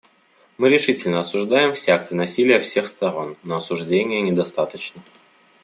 Мы решительно осуждаем все акты насилия всех сторон; но осуждения недостаточно.